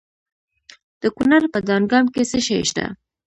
د کونړ په دانګام کې څه شی شته؟